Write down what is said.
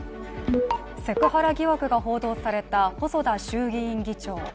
セクハラ疑惑が報道された細田衆議院議長。